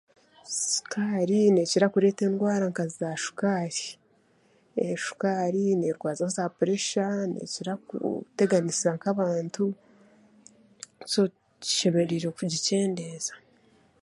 Shukaari n'ekira kureta endwaara nka za shukaari. Shukaari n'erwaaza za puresha, n'ekira kuteganisa nk'abaantu so tushemereire kugikyendeza.